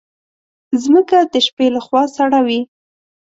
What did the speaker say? مځکه د شپې له خوا سړه وي.